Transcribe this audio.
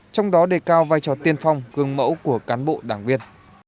trong đó đề cao vai trò tiên phong gương mẫu của cán bộ đảng viên